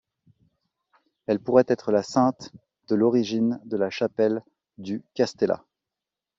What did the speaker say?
Elle pourrait être la Sainte de l'origine de la chapelle du Castelas.